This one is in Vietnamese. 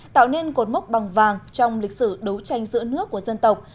tạo nên cột mốc bằng vàng trong lịch sử đấu tranh giữa nước của dân tộc